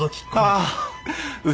あ